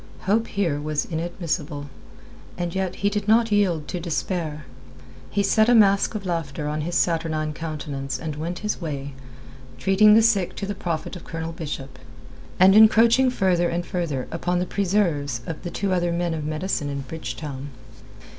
Hope here was inadmissible. And yet he did not yield to despair. He set a mask of laughter on his saturnine countenance and went his way, treating the sick to the profit of Colonel Bishop, and encroaching further and further upon the preserves of the two other men of medicine in Bridgetown.